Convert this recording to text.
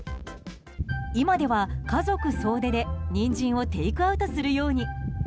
今では家族総出で、ニンジンをテイクアウトするように。